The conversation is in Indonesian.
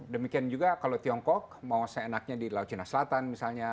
demikian juga kalau tiongkok mau seenaknya di laut cina selatan misalnya